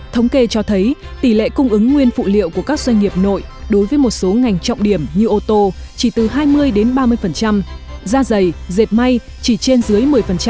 thống kê cho thấy tỷ lệ cung ứng nguyên phụ liệu của các doanh nghiệp nội đối với một số ngành trọng điểm như ô tô chỉ từ hai mươi đến ba mươi da dày dệt may chỉ trên dưới một mươi